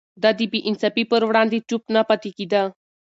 ده د بې انصافي پر وړاندې چوپ نه پاتې کېده.